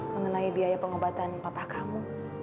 mengenai biaya pengobatan bapak kamu